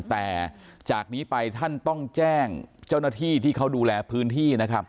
แต่จากนี้ไปท่านต้องแจ้งเจ้าหน้าที่ที่เขาดูแลพื้นที่นะครับ